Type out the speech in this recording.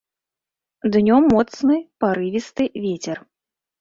Днём моцны парывісты вецер.